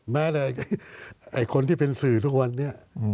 แม้แต่คนที่เป็นสื่อทุกวันนี้